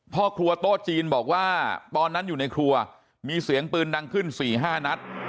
พ่อครัวโต๊ะจีนบอกว่าตอนนั้นอยู่ในครัวมีเสียงปืนดังขึ้น๔๕นัด